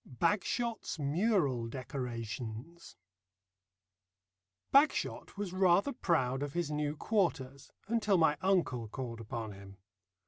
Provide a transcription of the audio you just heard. BAGSHOT'S MURAL DECORATIONS Bagshot was rather proud of his new quarters until my uncle called upon him.